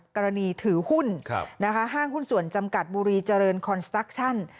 กรณีถือหุ้นห้างหุ้นส่วนจำกัดบุรีเจริญคอนสตัคชั่น